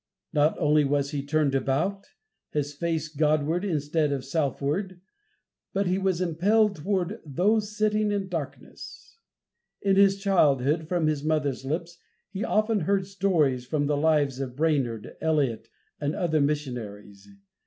Not only was he turned about, his face God ward instead of self ward, but he was impelled toward "those sitting in darkness." In his childhood, from his mother's lips, he often heard stories from the lives of Brainerd, Eliot, and other missionaries.